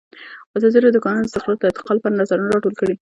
ازادي راډیو د د کانونو استخراج د ارتقا لپاره نظرونه راټول کړي.